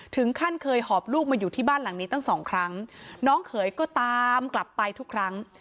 ถึงขั้นเคยหอบลูกมาอยู่ที่บ้านหลังนี้ตั้งสองครั้งน้องเขยก็ตามกลับไปทุกครั้ง